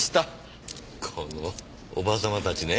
このおばさまたちね